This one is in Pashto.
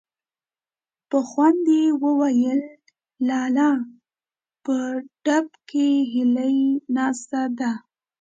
په خوند يې وويل: لالا! په ډب کې هيلۍ ناستې دي.